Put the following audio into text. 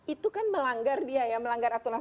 itu kan melanggar dia ya melanggar aturan